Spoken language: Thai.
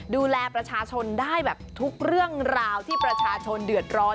ดูแลประชาชนได้แบบทุกเรื่องราวที่ประชาชนเดือดร้อน